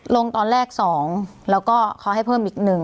ลงตอนแรก๒แล้วก็เขาให้เพิ่มอีก๑